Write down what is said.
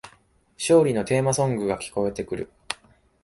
勝利のテーマソングが聞こえてくる